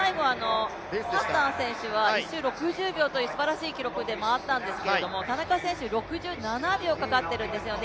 ハッサン選手は、最後１周６０秒というすばらしい記録ではあったんですけど、田中選手は６７秒かかってるんですよね。